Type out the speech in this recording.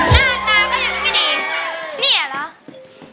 หน้าตาก็ยังไม่ดี